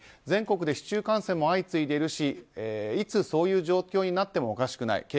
全国で市中感染も相次いでいるしいつそういう状況になってもおかしくない。